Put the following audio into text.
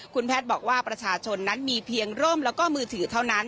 คุณแพทย์บอกว่าประชาชนนั้นมีเพียงร่มแล้วก็มือถือเท่านั้น